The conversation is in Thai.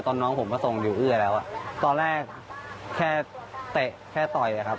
ตอนน้องผมก็ส่งอยู่เอื้อแล้วตอนแรกแค่เตะแค่ต่อยอะครับ